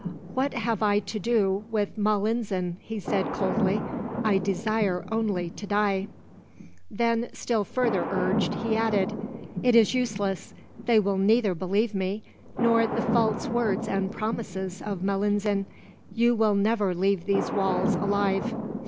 "What have I to do with Malinzin?" he said coldly. "I desire only to die." When still further urged, he added: "It is useless. They will neither believe me, nor the false words and promises of Malinzin. You will never leave these walls alive."